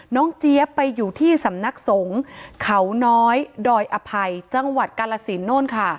เจี๊ยบไปอยู่ที่สำนักสงฆ์เขาน้อยดอยอภัยจังหวัดกาลสินโน่นค่ะ